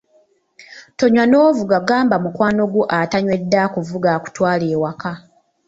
Tonywa n'ovuga gamba mukwano gwo atanywedde akuvuge akutwale ewaka.